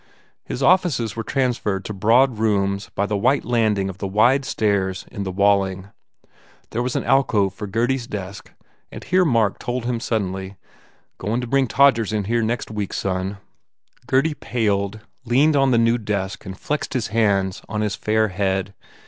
His offices were transferred to broad rooms by the white landing of the wide stairs in the Walling. There was an alcove for Gurdy s desk and here Mark told him suddenly, "Coin 1 to bring Todgers in here next week, son." Gurdy paled, leaned on the new desk and flexed his hands on his fair head.